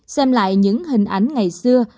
xem lại những hình ảnh ngày xưa